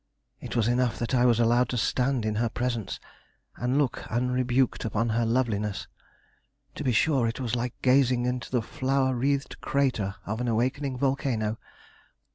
It was enough that I was allowed to stand in her presence and look unrebuked upon her loveliness. To be sure, it was like gazing into the flower wreathed crater of an awakening volcano.